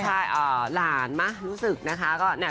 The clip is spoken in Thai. ใช่หลานมารู้สึกนะคะ